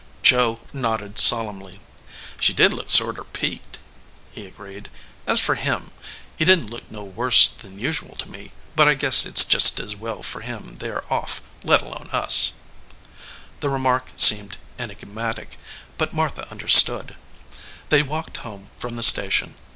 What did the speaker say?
Joe nodded solemnly. "She did look sorter peaked," he agreed. "As for Him, he didn t look 139 EDGEWATER PEOPLE no worse than usual to me, but I guess it s jest as well for them they re off, let alone us." The remark seemed enigmatic, but Martha un derstood. They walked home from the station.